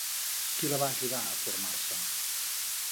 Qui la va ajudar a formar-se?